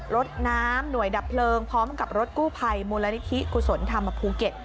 รถน้ำหน่วยดับเพลิงพร้อมกับรถกู้ภัยมูลนิธิกุศลธรรมภูเก็ต